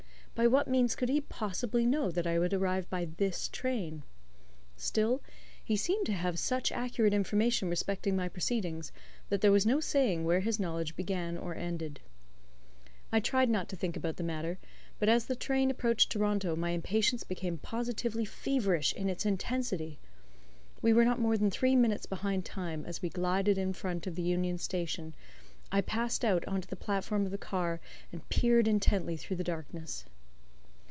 By what means could he possibly know that I would arrive by this train? Still, he seemed to have such accurate information respecting my proceedings that there was no saying where his knowledge began or ended. I tried not to think about the matter, but as the train approached Toronto my impatience became positively feverish in its intensity. We were not more than three minutes behind time, as we glided in front of the Union Station, I passed out on to the platform of the car, and peered intently through the darkness.